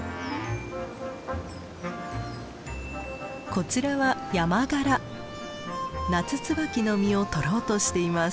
こちらはナツツバキの実を取ろうとしています。